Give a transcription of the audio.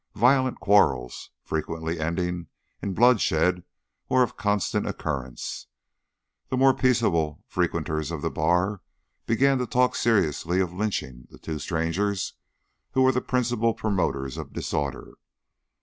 Violent quarrels, frequently ending in bloodshed, were of constant occurrence. The more peaceable frequenters of the bar began to talk seriously of lynching the two strangers who were the principal promoters of disorder.